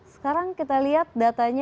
sekarang kita lihat datanya